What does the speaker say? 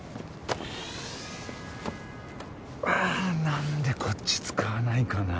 なんでこっち使わないかな？